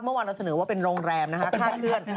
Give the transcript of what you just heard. เมื่อวานเราเสนอว่าเป็นโรงแรมนะคะคาดเคลื่อน